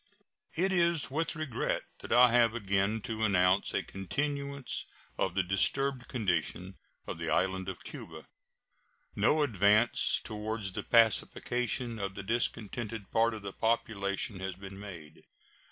It is with regret that I have again to announce a continuance of the disturbed condition of the island of Cuba. No advance toward the pacification of the discontented part of the population has been made.